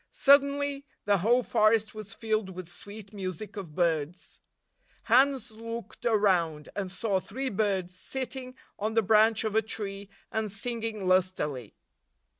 Suddenly, the whole forest was filled with sweet music of birds. Hans looked around, and saw three birds sitting on the branch of a tree and singing lustily.